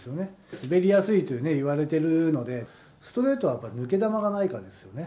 滑りやすいといわれてるので、ストレートはやっぱ抜け球がないかですよね。